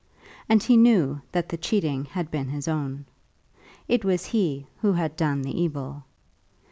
And he knew that the cheating had been his own. It was he who had done the evil.